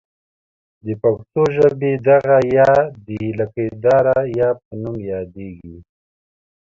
د پښتو ژبې دغه ۍ د لکۍ داره یا په نوم یادیږي.